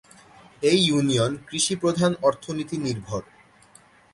এই ইউনিয়ন কৃষিপ্রধান অর্থনীতি নির্ভর।